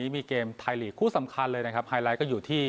มีความสำคัญแค่บ้างนี้